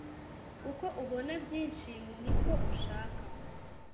uko ubona byinshi, niko ushaka